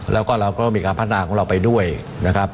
แล้วก็เราก็มีการพัฒนาของเราไปด้วยนะครับ